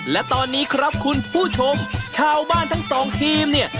และตอนนี้ครับคุณผู้ชมชาวบ้านทั้งสองทีมเนี่ย